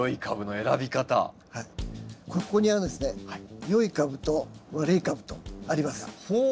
ここにはですね良い株と悪い株とあります。